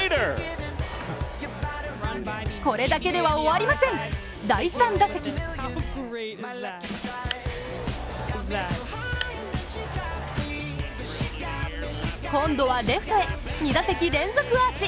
これだけでは終わりません、第３打席今度はレフトへ２打席連続アーチ！